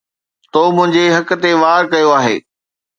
تو منهنجي حق تي وار ڪيو آهي